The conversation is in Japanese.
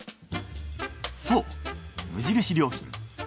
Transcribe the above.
そう無印良品。